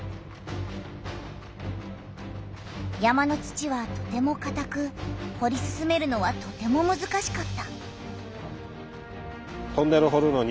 山の土はとてもかたくほり進めるのはとてもむずかしかった。